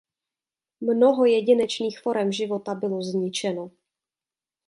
Mnoho jedinečných forem života bylo zničeno.